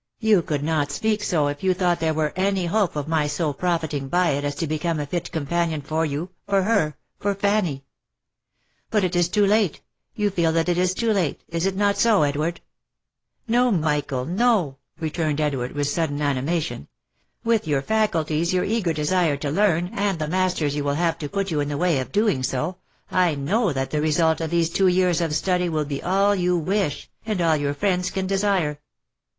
You could not speak so, if you thought there were any hope of my so profiting by it as to become a fit companion for you — for her — for Fanny. But it is too late — you feel that it is too late — is it not so, Edward ?"" No, Michael, no 1" returned Edward, with sudden animation. " With your faculties, your eager desire to learn, and the masters you will have to put you in the way of doing so, I know that the result of these two years of study will be all you wish, and all your friends can desire."